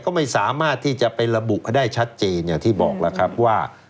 ก็ไม่สามารถที่จะไประบุให้ได้ชัดเจนอย่างที่บอกแล้วครับว่า